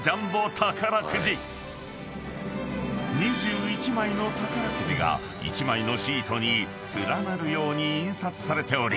［２１枚の宝くじが１枚のシートに連なるように印刷されており］